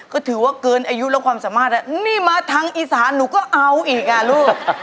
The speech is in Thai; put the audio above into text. ก็ถือว่าเกินอายุและความสามารถนี่มาทางอีสานหนูก็เอาอีกอ่ะลูก